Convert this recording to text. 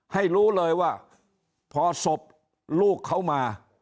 ให้รู้เลยว่าพอศพลูกเขามา